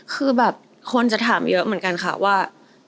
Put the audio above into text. คือแบบคนจะถามเยอะเหมือนกันค่ะว่า